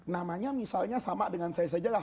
namanya misalnya sama dengan saya sajalah